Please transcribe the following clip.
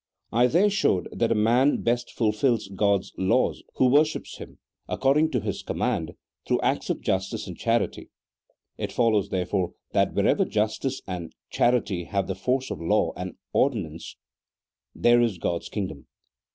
I there showed that a man best fulfils God's law who worships Him, ac cording to His command, through acts of justice and charity; it follows, therefore, that wherever justice and charity have the force of law and ordinance, there is God's kingdom.